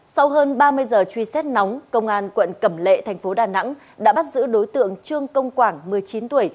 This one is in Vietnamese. sau hơn ba mươi giờ truy xét nóng công an quận cẩm lệ thành phố đà nẵng đã bắt giữ đối tượng trương công quảng một mươi chín tuổi